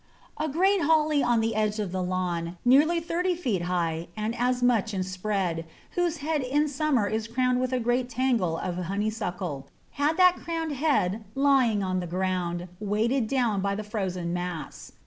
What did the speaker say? A great Holly on the edge of the lawn, nearly thirty feet high and as much in spread, whose head in summer is crowned with a great tangle of Honeysuckle, had that crowned head lying on the ground weighted down by the frozen mass.